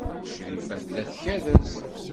Crifa tella tkerrez.